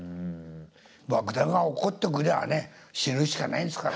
爆弾が落っこってくりゃあね死ぬしかないですからね。